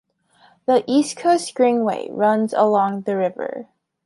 The East Coast Greenway runs along the River.